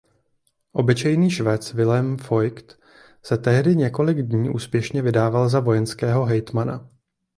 Obyčejný švec Wilhelm Voigt se tehdy několik dní úspěšně vydával za vojenského hejtmana.